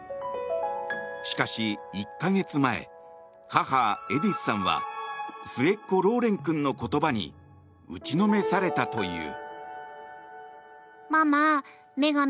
しかし、１か月前母エディスさんは末っ子ローレン君の言葉に打ちのめされたという。